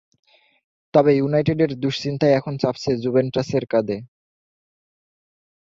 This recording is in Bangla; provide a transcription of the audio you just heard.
তবে ইউনাইটেডের দুশ্চিন্তাই এখন চাপছে জুভেন্টাসের কাঁধে।